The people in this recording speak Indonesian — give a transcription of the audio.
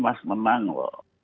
mas menang loh